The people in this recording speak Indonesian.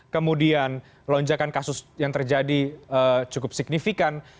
kemudian lonjakan kasus yang terjadi cukup signifikan